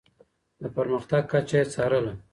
د پرمختګ کچه يې څارله.